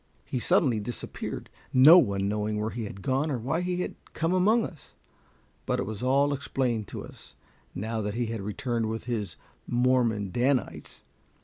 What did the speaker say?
He suddenly disappeared, no one knowing where he had gone or why he had come among us. But it was all explained to us, now that he had returned with his Mormon Danites.